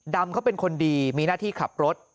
เขาเป็นคนดีมีหน้าที่ขับรถ